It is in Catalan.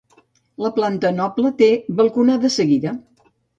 La planta noble té balconada seguida.